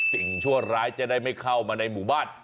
ชั่วร้ายจะได้ไม่เข้ามาในหมู่บ้าน